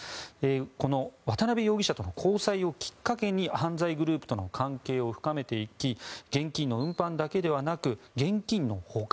この渡邉容疑者との交際をきっかけに犯罪グループとの関係を深めていき現金の運搬だけでなく現金の保管